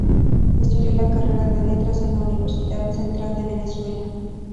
Estudió la carrera de Letras en la Universidad Central de Venezuela.